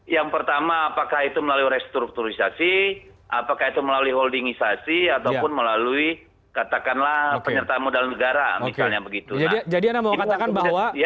yang pertama apakah itu melalui restrukturisasi apakah itu melalui holdingisasi ataupun melalui katakanlah penyertaan modal negara misalnya begitu